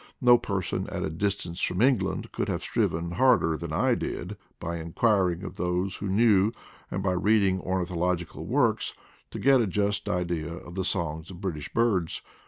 No person at a distance from England could have striven harder than I did, by inquiring of those who knew and by reading ornithological works, to get a just idea of the songs of British birds.